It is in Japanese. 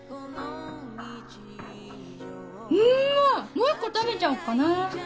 もう１個食べちゃおっかな。